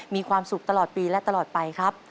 มีความสุขตลอดปีและตลอดไปครับ